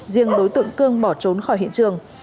riêng đối tượng cương bỏ trốn khỏi hiện trường